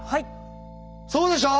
そうでしょう？